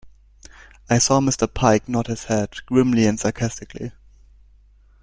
I saw Mr Pike nod his head grimly and sarcastically.